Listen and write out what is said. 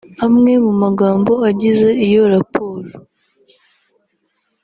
amwe mu magambo agize iyo raporo